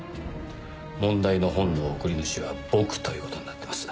問題の本の送り主は僕という事になってます。